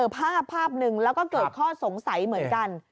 ภาพหนึ่งแล้วก็เกิดข้อสงสัยเหมือนกัน